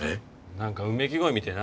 なんかうめき声みてえな？